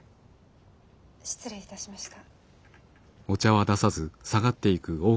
失礼いたしました。